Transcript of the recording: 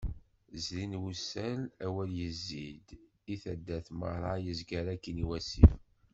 Zrin wussan awal yezzi-d i taddar, merra. Yezger akin i wasif.